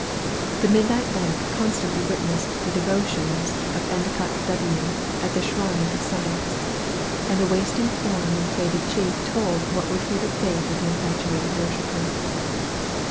The midnight lamp constantly witnessed the devotions of Endicott W. at the shrine of science; and the wasting form and fading cheek told what would be the fate of the infatuated worshipper.